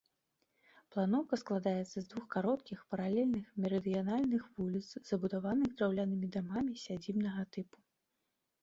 Планоўка складаецца з двух кароткіх, паралельных мерыдыянальных вуліц, забудаваных драўлянымі дамамі сядзібнага тыпу.